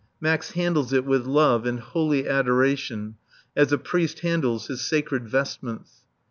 Max handles it with love and holy adoration, as a priest handles his sacred vestments.